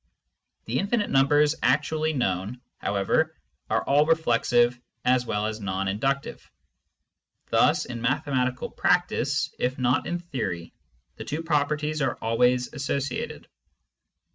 The infinite numbers actually known, however, are all reflexive as well as non induc tive ; thus, in mathematical practice, if not in theory, the two properties are always associated.